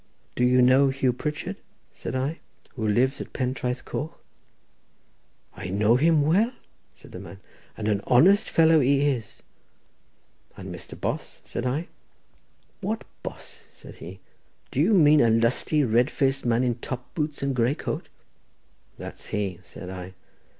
"Do you know Hugh Pritchard," said I, "who lives at Pentraeth Coch?" "I know him well," said the man, "and an honest fellow he is." "And Mr. Bos?" said I. "What Bos?" said he. "Do you mean a lusty, red faced man in top boots and grey coat?" "That's he," said I.